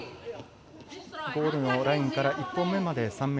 ゴールのラインから１本目まで３ｍ。